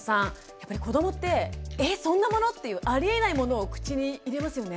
やっぱり子どもって「えっそんなもの？」っていうありえないものを口に入れますよね？